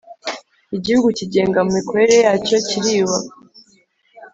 Igihugu cyigenga mu mikorere yacyo kiriyubaha